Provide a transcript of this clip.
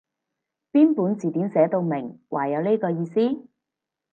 邊本字典寫到明話有呢個意思？